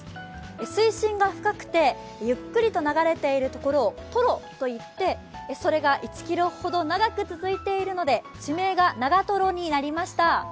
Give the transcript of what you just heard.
水深が深くてゆっくりと流れているところを瀞といって、それが１ｋｍほど長く続いているので地名が長瀞になりました。